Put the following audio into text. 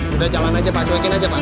udah jalan aja pakai login aja pak